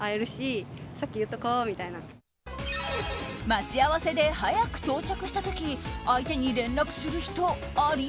待ち合わせで早く到着した時相手に連絡する人あり？